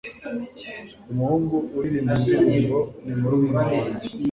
Umuhungu uririmba indirimbo ni murumuna wanjye.